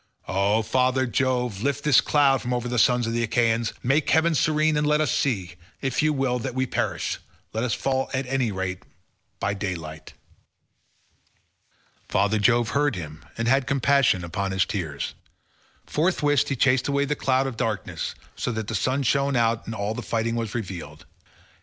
O father Jove, lift this cloud from over the sons of the Achaeans; make heaven serene, and let us see; if you will that we perish, let us fall at any rate by daylight." Father Jove heard him and had compassion upon his tears. Forthwith he chased away the cloud of darkness, so that the sun shone out and all the fighting was revealed.